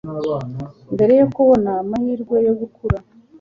mbere yo kubona amahirwe yo gukura